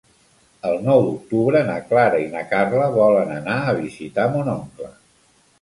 El nou d'octubre na Clara i na Carla volen anar a visitar mon oncle.